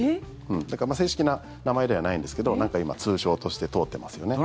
だから正式な名前ではないんですけどなんか、今通称として通っていますよね。